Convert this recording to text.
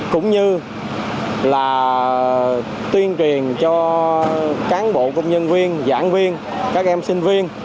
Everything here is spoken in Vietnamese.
cũng như là tuyên truyền cho cán bộ công nhân viên giảng viên các em sinh viên